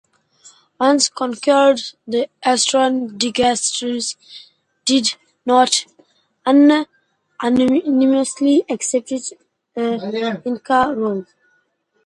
Once conquered the eastern Diaguitas did not unanimously accepted Inca rule.